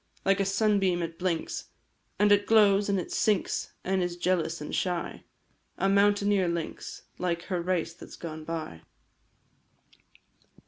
Like a sunbeam it blinks, And it glows, and it sinks, And is jealous and shy! A mountaineer lynx, Like her race that 's gone by.